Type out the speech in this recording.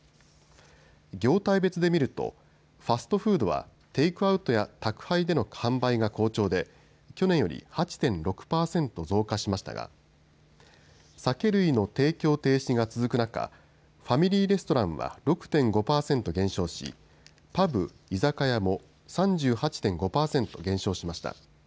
業態別で見るとファストフードはテイクアウトや宅配での販売が好調で去年より８．６％増加しましたが酒類の提供停止が続く中ファミリーレストランは６．５％減少しパブ・居酒屋も３８．５％減少しました。